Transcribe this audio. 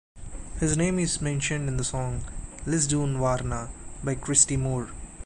His name is mentioned in the song "Lisdoonvarna" by Christy Moore.